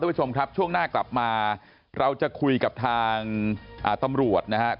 ผู้ชมครับช่วงหน้ากลับมาเราจะคุยกับทางตำรวจนะครับ